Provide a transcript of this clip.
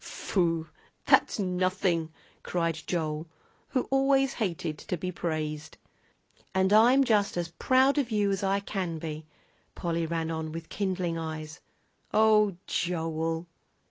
"Phoo! that's nothing!" cried Joel, who always hated to be praised. "And I'm just as proud of you as I can be," Polly ran on with kindling eyes. "Oh, Joel!"